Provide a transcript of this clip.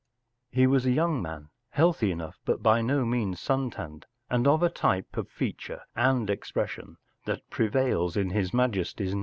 ” He was a young man, healthy enough but by no means sun tanned, and of a type of feature and expression that prevails in His Majesty’s quiet.